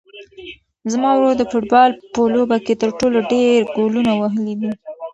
زما ورور د فوټبال په لوبه کې تر ټولو ډېر ګولونه وهلي دي.